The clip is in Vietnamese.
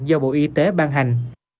do bộ y tế ban hành